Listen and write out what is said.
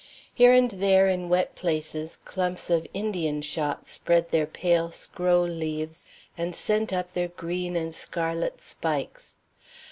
Here and there in wet places clumps of Indian shot spread their pale scroll leaves and sent up their green and scarlet spikes.